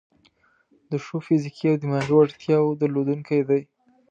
د ښو فزیکي او دماغي وړتیاوو درلودونکي دي.